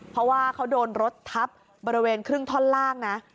เพราะว่าเขาโดนรถทับบริเวณครึ่งท่อนล่างนะ